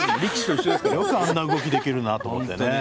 よくあんな動きできるなって。